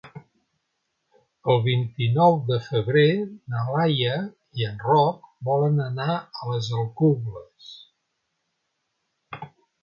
El vint-i-nou de febrer na Laia i en Roc volen anar a les Alcubles.